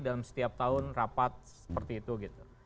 dalam setiap tahun rapat seperti itu gitu